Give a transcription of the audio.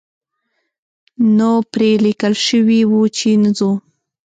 نو پرې لیکل شوي وو چې نه ځو.